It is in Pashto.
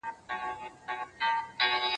زه به سبا د نوي لغتونو يادوم؟!